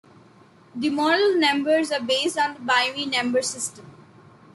The model numbers are based on the binary number system.